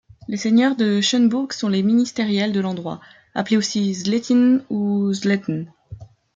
Les seigneurs de Schönburg sont les ministériels de l'endroit, appelé aussi Sletin ou Sleten.